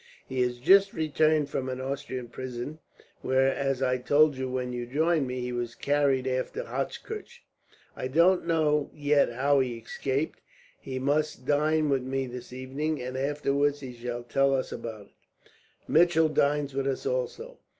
"He has just returned from an Austrian prison where, as I told you when you joined me, he was carried after Hochkirch. I don't know yet how he escaped. He must dine with me this evening, and afterwards he shall tell us about it. Mitchell dines with us, also.